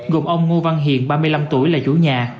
gồm ông ngô văn hiền ba mươi năm tuổi là chủ nhà